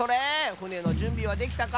ふねのじゅんびはできたか？